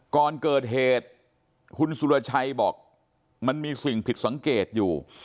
ก่อนเกิดเหตุคุณสุรชัยบอกมันมีสิ่งผิดสังเกตอยู่